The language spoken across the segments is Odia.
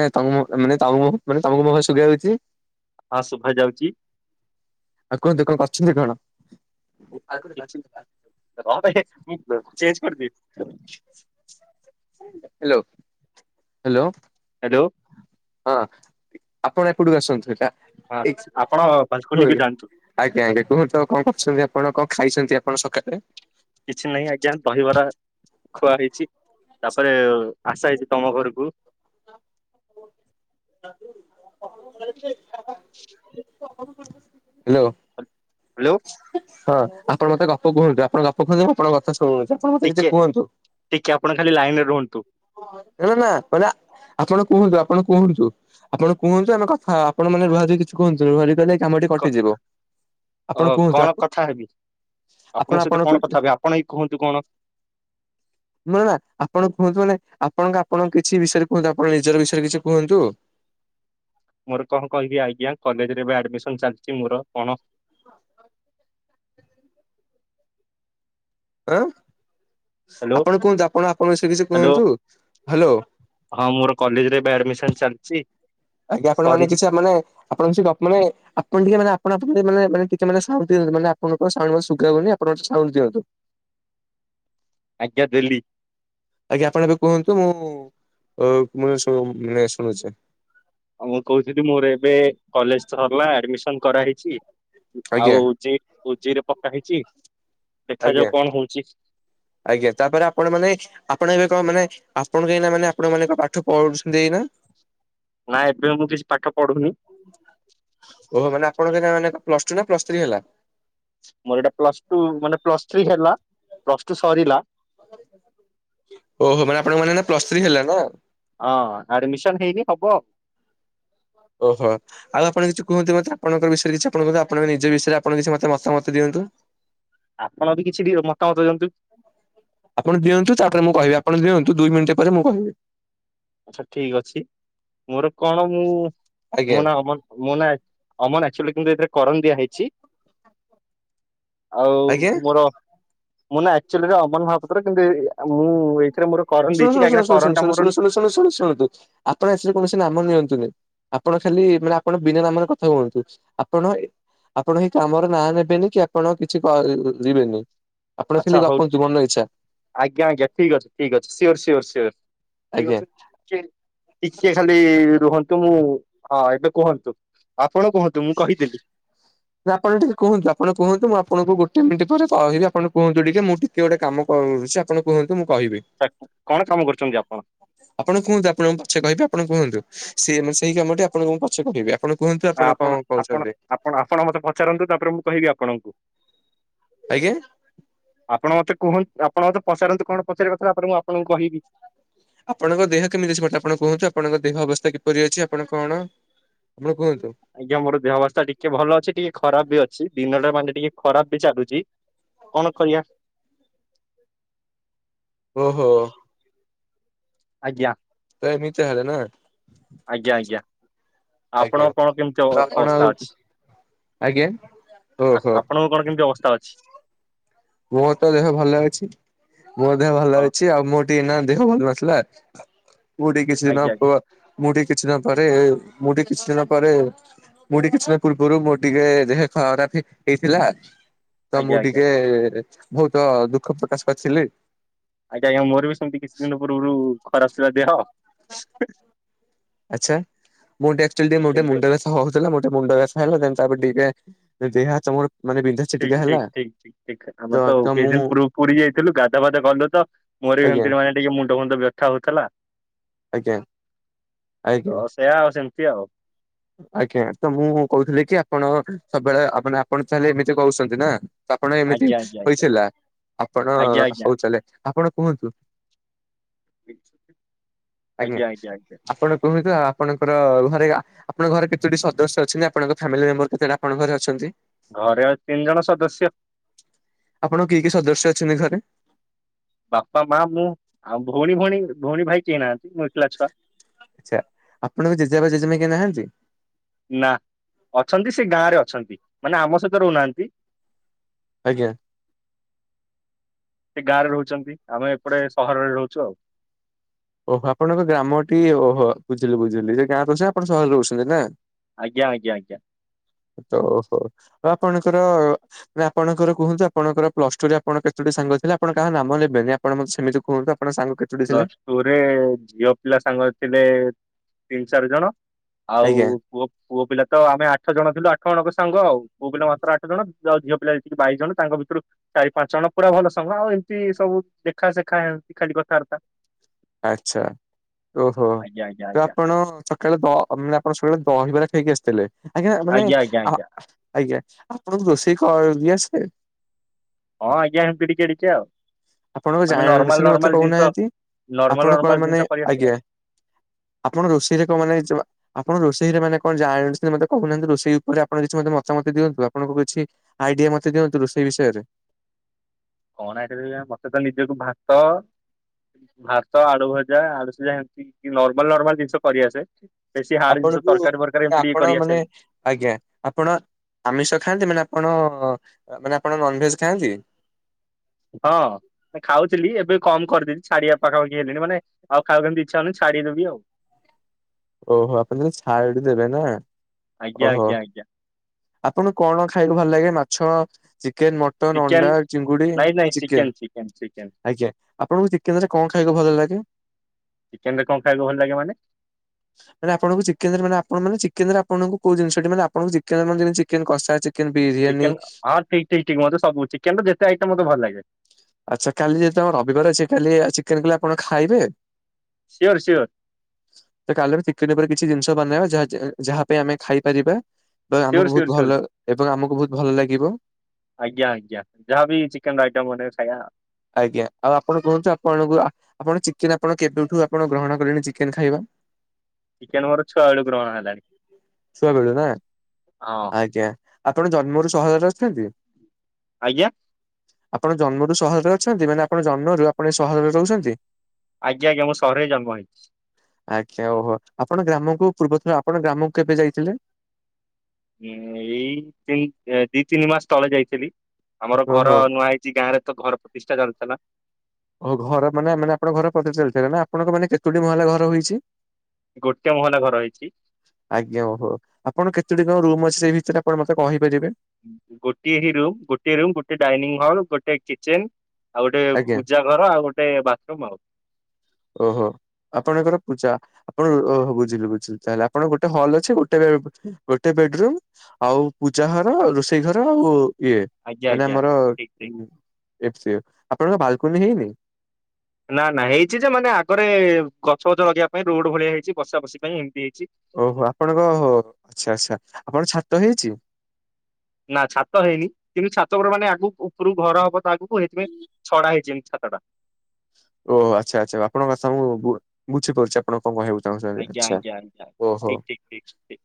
ନାଇଁ ତମ କୁ ମୋ ମାନେ ତାମ କୁ ମୋ ମାନେ ତମକୁ ମୋ ଭଏସ ସୁଗା ଯାଉଚି। ହଁ ଶୁଭା ଯାଉଚି। ଆଉ କୁହନ୍ତୁ କଣ କରୁଛନ୍ତି କଣ। [unintelligible] ରହବେ ମୁଁ ଚେଞ୍ଜ କରିଦେବି ହାଲୋ ହାଲୋ। ହାଲୋ। ହଁ ଆପଣ ଏପଟକୁ ଆସନ୍ତୁ ହେଲା ହଁ ଏଇ ଆପଣ ବାଲକୁନିକୁ ହୋଇ। ଯାଆନ୍ତୁ ଆଜ୍ଞା ଆଜ୍ଞା କୁହନ୍ତୁ କଣ କରଛନ୍ତି ଆପଣ କଁ ଖାଇଛନ୍ତି ଆପଣ ସକାଳେ। କିଛି ନାହିଁ ଆଜ୍ଞା ଦହିବାର ଖୁଆ ହେଇଛି। ତାପରେ ଆସା ହେଇଛି ତମ ଘରକୁ। ହାଲୋ। ହାଲୋ। ହଁ ଆପଣ ମତେ ଗପ କୁହନ୍ତୁ ଆପଣ ଗପ କୁହନ୍ତୁ ମୁଁ ଆପଣଙ୍କ କଥା ସୁଣୁଚି ଆପଣ ମତେ କିଛି ଟିକେ କୁହନ୍ତୁ। ଟିକେ ଆପଣ ଖାଲି ଲାଇନ ରେ ରୁହନ୍ତୁ। [unintelligible] ଆପଣ କୁହନ୍ତୁ ଆପଣ କୁହନ୍ତୁ ଆପଣ କୁହନ୍ତୁ ଆମେ କଥା ଆପଣ ମାନେ ରୁହା ରୁହି କିଛି କୁହନ୍ତୁ ରୁହା ରୁହୀ କଲେ। କାମଟି କଟିଯିବ। ଓ ଆପଣ ହୋ କୁହନ୍ତୁ କଣ କଥା ହେବି ଆପଣଙ୍କ ସହିତ କଣ କଥା ହେବି ଆପଣ ହି କୁହନ୍ତୁ କଣ। ମୁଁ ନା ଆପଣ କୁହନ୍ତୁ ମାନେ। ଆପଣଙ୍କ ଆପଣ କିଛି ବିଷୟରେ କୁହନ୍ତୁ ଆପଣ ନିଜର ବିଷୟରେ କିଛି କୁହନ୍ତୁ। ମୋର କହଁ କହିବି ଆଜ୍ଞା କଲେଜରେ ଏବେ ଆଡମିସନ୍ ଚାଲିଛି ମୋର କଣ [unintelligible] ଆଁ ହ୍ୟାଲୋ ଆପଣ କୁହନ୍ତୁ ଆପଣ ଆପଣ ବିଷୟରେ କିଛି ହ୍ୟାଲୋ କୁହନ୍ତୁ ହାଲୋ। ହଁ ମୋର କଲେଜ ରେ ଏବେ ଆଡମିସନ ଚାଲିଛି। ଆଜ୍ଞା ଆପଣ ମାନେ ସରିଛି କିଛି ମାନେ। ଆପଣଙ୍କ ସହିତ ଆପ ମାନେ ଆପଣ ଟିକେ ମାନେ ଆପଣ ଆପଣଙ୍କ ମାନେ ମାନେ ଟିକେ ମାନେ ସାଉଣ୍ଡ ଟିକେ ମାନେ ଆପଣ ଙ୍କ ସାଉଣ୍ଡ ମତେ ସୁଗାଯାଉନି। ରୋଜ ସାଉଣ୍ଡ ଦିଅନ୍ତୁ। ଆଜ୍ଞା ଦେଲି ଆଜ୍ଞା ଆପଣ ଏବେ କୁହନ୍ତୁ ମୁଁ ମୁ ଶୁ ମାନେ ଶୁଣୁଛେ ଆଉ ମୁଁ କହୁଥିଲି ମୋର ଏବେ କଲେଜତ ଲା ଆଡମିସନ କରାହେଇଛି ଆଜ୍ଞା ଆଉ ଚି କୋଚିରେ ପକା ହେଇଛି ଆଜ୍ଞା ଦେଖାଯାଉ କଣ ହଉଛି? ଆଜ୍ଞା ତାପରେ ଆପଣ ମାନେ ଆପଣ ଏବେ କଣ ମାନେ ଆପଣଙ୍କଇନା ମାନେ ଆପଣ ମାନେ କ ପାଠ ପଢୁଛନ୍ତି ଏଇ ନା? ନା ଏବେ ମୁଁ କିଛି ପାଠ ପଢୁନି। ଓହୋ ମାନେଆପଣଙ୍କ ଏନା ପ୍ଲସ୍ ଟୁ ନା ପ୍ଲସ୍ ଥ୍ରୀ ହେଲା? ମୋର ଏଇଟା ପ୍ଲସ ଟୁ ମାନେ ପ୍ଲସ ଥ୍ରୀ ହେଲା ପ୍ଲସ ଟୁ ସରିଲା ଓହୋ ମାନେ ଆପଣଙ୍କ ମାନେ ନା ପ୍ଲସ୍ ଥ୍ରୀ ହେଲା ନା? ହଁ ଆଡମିସନ ହେଇନି ହବ। ଓହୋ ଆଉ ଆପଣ କିଛି କୁହନ୍ତି ମତେ ଆପଣଙ୍କ ବିଷୟ କିଛି ଆପଣ କହନ୍ତୁ ଆପଣ ନିଜ ବିଷୟରେ ଆପଣ କିଛି ମତେ ମତାମତ ଦିଅନ୍ତୁ। ଆପଣ ବି କିଛି ଦିଅ ମତାମତ ଦିଅନ୍ତୁ। ଆପଣ ଦିଅନ୍ତୁ ତାପରେ ମୁଁ କହିଁବି ଆପଣ ଦିଅନ୍ତୁ ଦୁଇ ମିନିଟ ପରେ ମୁଁ କହିବି। ଆଚ୍ଛା ଠିକ ଅଛି ମୋର କଣ ମୁଁ ଆଜ୍ଞା ମୋ ନାଁ ଅମନ୍ ମୋ ନାଁ ଅମନ ଆକ୍ଚୁଆଲି କିନ୍ତୁ ଏଥିରେ କରନ ଦିଆ ହେଇଛି ଆଉ ଆଜ୍ଞା ମୋର ମୁଁ ନା ଆକ୍ଚୁଲିରେ ଅମନ ମହାପାତ୍ର କିନ୍ତୁ ଏ ଆ ମୁଁ ଏ ଏଥିରେ ମୋର କରନ ଦେଇଛି କାହିଁକିନା କରନଟା ମୋର ଶୁଣୁ ଶୁଣୁ ଶୁଣନ୍ତୁ ଆପଣ ଏଥିରେ କୌଣସି ନାମ ନିଅନ୍ତୁନି ଆପଣ ଖାଲି ମାନେ ଆପଣ ବିନା ନାମରେ କଥା କୁହନ୍ତୁ ଆପଣ ଏ ଆପଣ ଏହି କାମର ନାଁ ନେବେନି କି ଆପଣ କିଛିି କ ଯିବେନି ଆପଣ ଆଚ୍ଛା ସେଲି ହଉ ଗପନ୍ତୁ ମନ ଇଚ୍ଛା। ଆଜ୍ଞା ଆଜ୍ଞା ଠିକ ଅଛି ଠିକ ଅଛି ସିଓର ସିଓର ସିଓର ଠିକ ଆଜ୍ଞା ଅଛି। ଟିକେ ଖାଲି ରୁହନ୍ତୁ ମୁଁ ହଁ ଏବେ କୁହନ୍ତୁ ଆପଣ କୁହନ୍ତୁ? ତୁ ମୁଁ କହିଥିଲି। ନା ଆପଣ ଟିକେ କୁହନ୍ତୁ ଆପଣ କୁହନ୍ତୁ ମୁଁ ଆପଣଙ୍କୁ ଗୋଟେ ମିନିଟ ପରେ କହିବି ଆପଣ କୁହନ୍ତୁ ଟିକେ ମୁଁ କିଏ ଗୋଟେ କାମ କରୁଛି ଆପଣ କୁହନ୍ତୁ ମୁଁ କହିବି। ତାକୁ କଣ କାମ କରୁଛନ୍ତି ଆପଣ? ଆପଣ କୁହନ୍ତୁ ଆପଣଙ୍କୁ ମୁ ପଛେ କହିବେ ଆପଣ କୁହନ୍ତୁ ସେ ମାନେ ସେଇ କାମ ଟି ଆପଣଙ୍କୁ ପଛେ କହିବେ ଆପଣ କୁହନ୍ତୁ ଆପଣ କଣ କହୁଛନ୍ତି? କଣ ଆପଣ ମତେ ପଚାରନ୍ତୁ ତାପରେ ମୁଁ କହିବି ଆପଣଙ୍କୁ? ଆଜ୍ଞା ଆପଣ ମତେ କୁହୁ ଆପଣ ମତେ ପଚାରନ୍ତୁ କଣ ପଚାରିବା କଥାପରେ ମୁଁ ଆପଣଙ୍କୁ କହିବି? ଆପଣଙ୍କ ଦେହ କେମିତି ଅଛି ମତେ ଆପଣ କୁହନ୍ତୁ ଆପଣଙ୍କ ଦେହ ଅବସ୍ଥା କିପରି ଅଛି ଆପଣ କଣ? ଆପଣ କୁହନ୍ତୁ? ଆଜ୍ଞା ମୋର ଦେହବସ୍ଥା ଟିକେ ଭଲ ଅଛି ଟିକେ ଖରାପ ବି ଅଛି ଦିନଟା ମାନେ ଟିକେ ଖରାପ ବି ଚାଲୁଛି। କଣ କରିବା? ଓହୋ ହୋ ଆଜ୍ଞା ତ ଏମିତି ଚାହେଲେ ନାଁ ଆଜ୍ଞା ଆଜ୍ଞା ଆଜ୍ଞା ଆପଣଙ୍କ କଣ କେମିତି ତ ଆପଣ ଅବସ୍ଥା ଆଉ ଅଛି? ଆଜ୍ଞା ଓହୋ ଆପଣଙ୍କ କଣ କେମିତି ଅବସ୍ଥା ଅଛି? ମୋର ତ ଦେହ ଭଲ ଅଛି। ମୋ ଦେହ ଭଲ ହଁ ଅଛି ଆଉ ମୋ ଟିକେ ନା ଦେହ ଭଲ ନଥିଲା ମୁଁ ଟିକେ ସିନା ଆଜ୍ଞା ଆଜ୍ଞା ପ ମୁଁ ଠି କିଛି ଦିନ ପରେ ମୁଠି କିଛି ଦିନ ପରେ ମୁଁ ଟିକେ କିଛି ଦିନ ପୂର୍ବରୁ ମୋ ଟିକେ ଯେହ ଖରାପି ହେଇଥିଲା ତ ଆଜ୍ଞା ମୁଁ ଆଜ୍ଞା ଟିକେ ବହୁତ ଦୁଃଖ ପ୍ରକାଶ କରିଥିଲି। ଆଜ୍ଞା ଆଜ୍ଞା ମୋର ବି ସେମିତି କିଛି ଦିନ ପୂର୍ବରୁ ଖରା ଆସୁଥିଲା ଦେହ ଆଚ୍ଛା ମୁଁ ଟିକେ ଆକ୍ଚୁଆଲ ଟିକେ ଏବେ ମୁଣ୍ଡ ଅ ହଉଥିଲା ଗୋଟେ ମୁଣ୍ଡ ବେସା ହେଲାଇ ଗଲା ଦେନ ତାପରେ ଟିକେ [unintelligible] ତମର ମାନେ [unintelligible] ଠିକ୍ ଠିକ ଠିକ। ଶିଖେ ତ ଧାମତ ତ ମୁଁ ବେଢ଼ଙ୍ଗପୂର ପୁରୀ ଯାଇଥିଲୁ ଗାଧା ପାଧ କଲୁ ତ ମୋର ବି ଆଜ୍ଞା ଏମିତି ଟିକେ ମୁଣ୍ଡ ଫୁଣ୍ଡ ବ୍ୟଥା ହଉଥିଲା। ଆଜ୍ଞା ଆଜ୍ଞା। ସେୟା ଆଉ ସେମିତି ଆଉ। ଆଜ୍ଞା ତ ମୁଁ କହୁଥିଲି କି ଆପଣ ସବୁବେଳେ ଆପାନା ଆପଣ ତାହେଲେ ଏମିତି କହୁଛନ୍ତି ନା। ଆପଣ ଏମିତି ଆଜ୍ଞା ଆଜ୍ଞା ହେଇଥିଲା ଆପଣ ଆଜ୍ଞା ଆଜ୍ଞା ଆଜ୍ଞା। ହଉ ଚାଲେ ଆପଣ କୁହନ୍ତୁ? ଆଜ୍ଞା ଆପଣ କହନ୍ତୁ? ଆପଣଙ୍କର ଘରେ ଆପଣଙ୍କ ଘରେ କେତୋଟି ସଦସ୍ୟ ଅଛନ୍ତି ଆପଣଙ୍କ ଫ୍ୟାମିଲି ମେମ୍ବର କେତେଟା ଆପଣଙ୍କ ଘରେ ଅଛନ୍ତି? ଘରେ ଆଉ ତିନି ଜଣ ସଦସ୍ୟ। ଆପଣ କିଏ କିଏ ସଦସ୍ୟ ଅଛନ୍ତି ଘରେ? ବାପା ମା ମୁଁ ଆଉ ଭଉଣୀ ଭଉଣୀ ଭଉଣୀ ଭାଇ କେହିନାହାନ୍ତି ମୁଁ ଏକଲା ଛୁଆ ଆଛା ଆପଣଙ୍କ ଜେଜେ ବାପା ଜେଜେମା କେହି ନାହାନ୍ତି? ନା ଅଛନ୍ତି ସେ ଗାଁ ରେ ଅଛନ୍ତି ମାନେ ଆମ ସହିତ ରହୁନାହାନ୍ତି। ଆଜ୍ଞା। ସେ ଗାଁରେ ରହୁଛନ୍ତି ଆମେ ଏପଟେ ସହରରେ ରହୁଛୁ ଆଉ। ଓହୋ ଆପଣଙ୍କ ଗ୍ରାମ ଟି ଓହୋ ବୁଝିଲି ବୁଝିଲି ଯେ ଗାଁ ରେ ଅଛନ୍ତି ଆପଣ ସହରରେ ରହୁଛନ୍ତି ନା? ଆଜ୍ଞ ଆଜ୍ଞା ଆଜ୍ଞା। ଦସ ଓ ଆପଣଙ୍କର ଆପଣଙ୍କର କୁହନ୍ତୁ ଆପଣଙ୍କ ପର୍ଲସଟୁ ରେ ଆପଣର କେତୋଟି ସାଙ୍ଗ ଥିଲେ ଆପଣ କାହା ନାମ ନେବେନି। ଆପଣ ସେମିତି କୁହୁନ୍ତୁ ଆପଣ ସାଙ୍ଗ କେତ ପ୍ଲସ ଟୁରେ ଝିଅ ପିଲା ସାଙ୍ଗ ଥିଲେ ତିନି ଚାରି ଜଣ। ଆଉ ଆଜ୍ଞା ପୁଅ ପୁଅ ପିଲା ତ ଆମେ ଆଠ ଜଣ ଥିଲୁ ଆଠ ଜଣଙ୍କ ସାଙ୍ଗ ଆଉ ପୁଅ ପିଲା ମାତ୍ର ଆଠ ଜଣ ଆଉ ଝିଅ ପିଲା ହେଇକି ବାଇଶି ଜଣ ତାଙ୍କ ଭିତରୁ ଚାରି ପାଞ୍ଚ ଜଣ ପୁରା ଭଲ ସଙ୍ଗ ଆଉ ଏମିତି ସବୁ ଦେଖାସେଖା ହେମିତି ଖାଲି କଥାବାର୍ତ୍ତା। ଆଛା ଓହୋ ଆଜ୍ଞା ଆଜ୍ଞା ତ ଆଜ୍ଞା ଆପଣ ସଳେ ଦ ମାନେ ଆପଣ ସକାଳେ ଦହିବରା ଖାଇକି ଆସିଥିଲେ ଆଜ୍ଞା ମାନେ ଆଜ୍ଞା ଆଜ୍ଞା ଆ ଆଜ୍ଞା ଆଜ୍ଞା ଆପଣଙ୍କୁ ରୋଷେଇ କରି ଆସେ? ହଁ ଆଜ୍ଞାିି ହେମିତି ଟିକେ ଟିକେ ଆଉ। ଆପଣଙ୍କ ମାନେ ନର୍ମାଲ ଜାଣିଚ ମତେ ନର୍ମାଲ ଜିନିଷ କହୁନାହାନ୍ତି ନର୍ମାଲ ଆପଣ କଣ ନର୍ମାଲ ମାନେ ଜିନିଷ କରି ଆସେ ଆଉ ଆଜ୍ଞା। ଆପଣ ରୋଷେଇରେ କ ମାନେ ଯମା ଆପଣ ରୋଷେଇରେ ମାନେ କଣ ଜାଛନ୍ତି ମତେ କହୁନାହାନ୍ତି ରୋଷେଇ ଉପରେ ଆପଣ କିଛି ମତାମତି ଦିଅନ୍ତୁ ଆପଣଙ୍କୁ କିଛି ଆଇଡିଆ ମତେ ଦିଅନ୍ତୁ ରୋସେଇ ବିଷୟରେ? କଣ ଆଇଡିଆ ମତେ ତ ନିଜକୁ ଭାତ ଭାତ ଆଳୁ ଭଜା ଆଳୁସିଜା ହେମିତି ନର୍ମାଲ ନର୍ମାଲ ଜିନିଷ କରିଆସେ। ବେଶୀ ହାର୍ଡ ଜିନିଷ ଆପଣଙ୍କୁ ତରକାରୀ ଫରକାରୀ ମାନେ ଏମିତି ଟିକେ ଆପଣ ମାନେ କରିଆସେନି। ଆଜ୍ଞା। ଆପଣ ଆମିଷ ଖାଆନ୍ତି ମାନେ ଆପଣ ମାନେ ଆପଣ ନନଭେଜ୍ ଖାଆନ୍ତି? ହଁ। ଖାଉଥିଲି ଏବେ କମ କରିଦଥିଲ ଛଡିବା ପାଖାପାଖି ହେଲିଣି ମାନେ ଆଉ ଖାଉକୁ ଯେମିତି ଇଛ ହଉନି ଛାଡିଦେବି ଆଉ। ଓହୋ ଆପଣ ଯ ଛାଡି ଦେବେ ନା ଆଜ୍ଞା ଓହୋ। ଆଜ୍ଞା ଆଜ୍ଞା ଆପଣଙ୍କୁ କଣ ଖାଇଲୁ ଭଲ ଲାଗେ ମାଛ ଚିକେନ ମଟ ମଟନ ଚିକେନ ଅଣ୍ଡା ଚିଙ୍ଗୁଡି ନାଇଁ ନାଇଁ ଚିକେନ୍। ଚିକେନ ଚିକେନ ଚିକେନ ଆଜ୍ଞା ଆପଣଙ୍କୁ ଚିକେନ୍ ରେ କଣ ଖାଇବାକୁ ଭଲ ଲାଗେ? ଚିକେନ୍ ରେକଣ ଖାଇବାକୁ ଭଲ ଲାଗେ ମାନେ? ମାନେ ଆପଣଙ୍କୁ ଚିକେନେରେ ମେ ଚିକେନରେ ଆପଣ କଉ ଜିନିଷଟି ମାନେ ଆପଣଙ୍କୁ ଦେଖନ୍ତୁମ ଦିନେ ଚିକେନ କଷା ଚିକେନ ବିରିୟାନୀ ଠିକ୍ ଠିକ୍ ମତେ ସବୁ ଚିକେନ ର ଯେତେ ଆଇଟମ୍ ମତେ ଭଲ ଲାଗେ। ଆଚ୍ଛା କାଲି ଜେ ତମ ରବିବାର ଅଛି କାଲି ଆ ଚିକେନ କଲେ ଆପଣ ଖାଇବେ? Sure sure. ତ କାଲି ଆମେ ଚିକେନ ଉପରେ କିଛି ଜିନିଷ ବନେଇବା ଯହା ଯା ଯାହା ପାଇଁ ଆମେ ଖାଇପାରିବା। ତ ଆମକୁ ସିଓର ବହୁତ୍ ସିଓର ସିଓର ଭଲ ଏବଂ ଆମକୁ ବହୁତ ଭଲ ଲାଗିବ। ଆଜ୍ଞା ଆଜ୍ଞା ଯାହାବି ଚିକେନ ଆଇଟମ୍ ବନେଇବେ ଖାଇବା। ଆଜ୍ଞା ଆଉ ଆପଣ କୁହନ୍ତୁ ଆପଣଙ୍କୁ ଆ ଆପଣ ଚିକେନ ଆପଣ କେବେଠୁ ଆପଣ ଗ୍ରହଣ କଲେଣି ଚିକେନ ଖାଇବା? ଚିକେନ ମୋର ଛୁଆ ବେଳୁ ଗ୍ରହଣ ହେଲାଣି ଛୁଆ ବେଳୁ ନା ହଁ ଆଜ୍ଞା। ଆପଣ ଜନ୍ମରୁ ସହରରେ ଅଛନ୍ତି। ଆଜ୍ଞା। ଆପଣ ଜନ୍ମରୁ ସହରରେ ଅଛନ୍ତି ମାନେ ଆପଣ ଜନ୍ମରୁ ଆପଣ ସହରରେ ରହୁଛନ୍ତି? ଆଜ୍ଞା ଆଜ୍ଞା ମୁଁ ସହରରେ ଜନ୍ମ ହେଇଚି। ଆଜ୍ଞା ଓହୋ ଆପଣ ଗ୍ରାମକୁ ପୂର୍ବଥର ଆପଣ ଗ୍ରାମକୁ କେବେ ଯାଇଥିଲେ? ଉଁ ଏଇତିନ୍ ଦି ତିନି ମାସ୍ ତଳେ ଯାଇଥିଲି ଆମର ଓହୋ ଘର ନୂଆ ହେଇ କି ଗାଁରେତ ଘର ପ୍ରତିଷ୍ଠା ଚାଲୁଥିଲା। ଓ ଘର ମାନେ ମାନେ ଆପଣଙ୍କ ଘର ପ୍ରତିସ୍ ଚାଲିଥିଲା ନା ଆପଣଙ୍କ ମାନେ କେତୋଟି ମହଲା ଘର ହୋଇଛି? ଗୋଟେ ମହଲା ଘର ହେଇଛି। ଆଜ୍ଞା ଓହୋ ଆପଣ କେତୋଟି କଣ ରୁମ୍ ଅଛି ସେଇ ଭିତରେ ଆପଣ ମତେ କହିପାରିବେ? ଗୋଟିଏ ହି ରୁମ୍ ଗୋଟିଏ ରୁମ୍ ଗୋଟେ ଡାଇନିଙ୍ଗ ହଲ୍ ଗୋଟେ କିଚେନ ଆଉ ଗୋଟେ ଆଜ୍ଞା ପୂଜା ଘର ଆଉ ଗୋଟେ ବାଥରୁମ୍ ଆଉ ଓହୋ ଆପଣଙ୍କର ପୂଜା ଆପଣ ଓଃ ବୁଝିଲୁ ବୁଝିଲୁ ତାହେଲେ ଆପଣ ଗୋଟେ ହଲ୍ ଅଛି ଗୋଟେ ଗୋଟେ ବେଡରୁମ୍ ଆଉ ପୂଜା ଘର ରୋଷେଇ ଘର ଆଉ ଇଏ ଆଜ୍ଞା ମାନେ ଆଜ୍ଞା ଆମର ଆଜ୍ଞା ଠିକ ଉଁ ଠିକ। ଏମଟି ଥିବ ଆପଣ ବାଲକୁନି ହେଇନି? ନା ନା ହେଇଛି ଯେ ମାନେ ଆଗରେ ଗଛ ଫଛ ଲଗେଇିବା ପାଇଁ ରୋଡ ଭଳିଆ ହେଇଛି ବସା ବସି ପାଇଁ ଏମିତି ହେଇଛି। ଓହୋ ଆପଣଙ୍କ ଓଃ ଆଚ୍ଛା ଆଚ୍ଛା ଆପଣ ଛାତ ହେଇଛି? ନା ଛାତ ହେଇନି କିନ୍ତୁ ଛାତପର ମାନେ ଆଗକୁ ଉପରୁକୁ ଘର ହବ ଆଗକୁ ହେଇଥିପାଇଁ ଛଡା ହେଇଚି ଏନ୍ତି ଛାତଟା। ଓହୋ ଆଚ୍ଛା ଆଚ୍ଛା ଆପଣଙ୍କ କଥା ମୁଁ ବୁ -ବୁଝିପାରୁଛି। ଆପଣ କଣ କହିଆକୁ ଚାହୁଁଛନ୍ତି ଆଜ୍ଞା ଆଛା ଆଜ୍ଞା ଆଜ୍ଞା ଆଜ୍ଞା ଓହୋ। ଠିକ ଠିକ ଠିକ ଠିକ।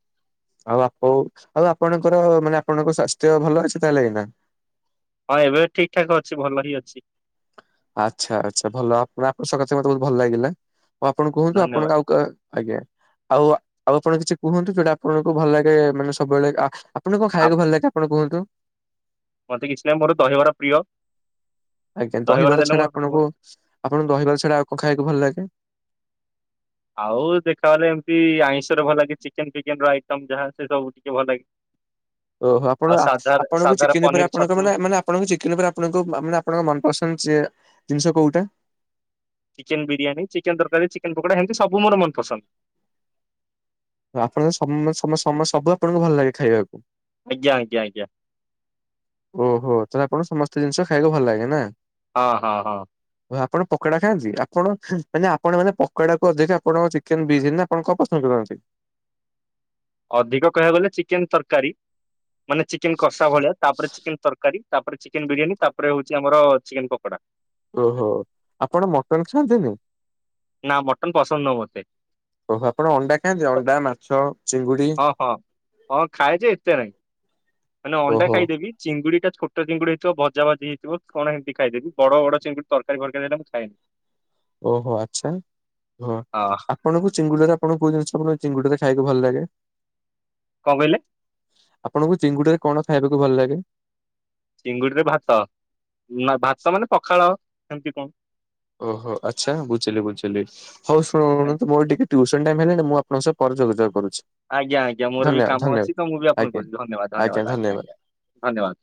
ଆଉ ଆପୋଣ ଆଉ ଆପଣଙ୍କର ମାନେ ଆପଣଙ୍କ ସ୍ୱାସ୍ଥ୍ୟ ଭଲ ଅଛି ତାହେଲେ ଏଇନା? ହଁ ଏବେ ଠିକ ଠାକ ଅଛି ଭଲ ହିଁ ଅଛି। ଆଚ୍ଛା ଆଚ୍ଛା ଭଲ ଆପଣ ଆପଣଙ୍କ ସହ କଥା ହେଇ ମତେ ବହୁତ ଭଲ ଲାଗିଲା ଆଉ ଆପଣ କୁହନ୍ତୁ ଆପଣଙ୍କ ଧନ୍ୟବାଦ। ଆଉ ଆଜ୍ଞା ଆଉ ଆଉ ଆପଣ କିଛି କୁହନ୍ତୁ ଯୋଉଟା ଆପଣଙ୍କୁ ଭଲ ଲାଗେ ମାନେ ସବୁବେଳେ ଆ ଆ ଆପଣଙ୍କୁ କଣ ଆ ଖାଇଆକୁ ଭଲ ଲାଗେ ଆପଣ କୁହନ୍ତୁ? ମତେ କିଛି ନାହିଁ ମୋର ଦହିବାର ପ୍ରିୟ। ଆଜ୍ଞା ଦହିବରା ଦହିବାର ଦେଲେ ଛଡା ମୋର ପେଟ ଆପଣଙ୍କୁ ଆପଣଙ୍କୁ ଦହିବାର ଛଡା ଆଉ କଣ ଖାଇବାକୁ ଭଲ ଲାଗେ? ଆଉ ଦେଖାଗଲେ ଏମିତି ଆଇଁଷରେ ଭଲ ଲାଗେ ଚିକେନ ଫିକେନ ର ଆଇଟମ ଯାହା ସେ ସବୁ ଟିକେ ଭଲ ଲାଗେ। ଓହୋ ଆଉ ଆପଣ ସାଧା ଆପଣଙ୍କୁ ସାଧାର ଚିକେନ୍ ପରେ ପନିର ଆପଣଙ୍କ ଛତୁ ମାନେ ମାନେ ଆପଣଙ୍କୁ ଚିକେନ ପରେ ଆପଣଙ୍କୁ ମାନେ ଆପଣଙ୍କ ମନପସନ୍ଦ ସେ ଜିନିଷ କେଉଁଟା? ଚିକେନ ବିରିୟାନୀ ଚିକେନ ତରକାରୀ ଚିକେନ ପକୋଡ଼ା ଏମିତି ସବୁ ମୋର ମନପସନ୍ଦ। ଆପଣ ସମ ସମ ସମ ସବୁ ଆପଣଙ୍କୁ ଭଲ ଲାଗେ ଖାଇବାକୁ। ଆଜ୍ଞା ଆଜ୍ଞା ଆଜ୍ଞା। ଓହୋ ତାହଲେ ଆପଣ ସମସ୍ତେ ଜିନିଷ ଖାଇଆକୁ ଭଲ ଲାଗେ ନା। ହଁ ହଁ ହଁ। ଓଃ ଆପଣ ପକୋଡା ଖାଆନ୍ତି ଆପଣ ମାନେ ଆପଣ ମାନେ ପକୋଡାକୁ ଅଧିକ ଆପଣଙ୍କ ଚି କେନ୍ ବିରୀୟାନୀ ନା ଆପଣ କଣ ପସନ୍ଦ କରନ୍ତି? ଅଧିକ କହିବାକୁ ଗଲେ ଚିକେନ ତରକାରୀ ମାନେ ଚିକେନ କଷା ଭଳିଆ ତାପରେ ଚିକେନ ତର ତକାରୀ ତାପରେ ଚିକେନ ବିରିୟାନୀ ତାପରେ ହଉଛି ଆମର ଚିକେନ ପକୋଡା ଓହୋ ଆପଣ ମଟନ ଖାଆନ୍ତିନି? ନା ମଟନ ପସନ୍ଦ ନୁହଁ ମୋତେ। ଓହ ଆପଣ ଅଣ୍ଡା ଖାନ୍ତି ଅଣ୍ଡା ମାଛ ଚିଙ୍ଗୁଡି? ଓହଁ ହଁ ଖାଏ ଜେ ଏତେ ନାହିଁ ମାନେ ଅଣ୍ଡା ଓହୋ ଖାଇଦେବି। ଚିଙ୍ଗୁଡ଼ି ଟା ଛୋଟ ଚିଙ୍ଗୁଡ଼ି ହେଇଥିବ ଭଜା ଭାଜି ହେଇଥିବ କଣ ଏମତି ଖାଇଦେବି ବଡ଼ ବଡ଼ ଚିଙ୍ଗୁଡ଼ି ତରକାରୀ ଫରକାରୀ ମୁ ଖାଏନି। ଓହୋ ଆଚ୍ଛା ଆ ହଁ ଆପଣ ଚିଙ୍ଗୁଡାରେ ଆପଣ କଉ ଜିନି ଆପଣ ଚିଙ୍ଗୁଡି ରେ ଖାଇକୁ ଭଲ ଲାଗେ। କଣ କହିଲେ। ଆପଣଙ୍କୁ ଚିଙ୍ଗୁଡିରେ କଣ ଖାଇବାକୁ ଭଲ ଲାଗେ। ଚିଙ୍ଗୁଡିରେ ଭାତ ନା ଭାତ ମାନେ ପଖାଳ ସେମିତି କଣ? ଓହୋ ଆଚ୍ଛା ବୁଝିଲି ବୁଝିଲି ହଉ ଶୁଣ ଆଜ୍ଞା ମୋର ଟିକେ ଟ୍ୟୁସନ ଟାଇମ୍ ହେଲେଣି ମୁଁ ଆପଣଙ୍କ ସହ ପରେ ଯୋଗାଯୋଗ କରୁଛି। ଆଜ୍ଞା ଆଜ୍ଞା ମୋର ବି ଧନ୍ୟବାଦ କାମ ଧନ୍ୟବାଦ ଅଛି ତ ମୁଁ ବି ଆପଣଙ୍କୁ ଆଜ୍ଞା କହୁଛି ଧନ୍ୟବାଦ ଧନ୍ୟବାଦ ଆଜ୍ଞା ଆଜ୍ଞା ଧନ୍ୟବାଦ।